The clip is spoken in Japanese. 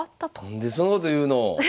何でそんなこと言うの。